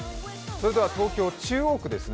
東京・中央区ですね。